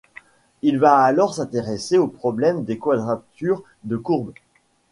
Il va alors s'intéresser au problème des quadratures de courbes.